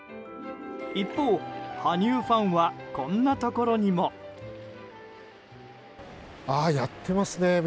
一方、羽生ファンはこんなところにも。やってますね。